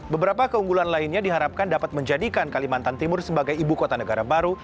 beberapa keunggulan lainnya diharapkan dapat menjadikan kalimantan timur sebagai ibu kota negara baru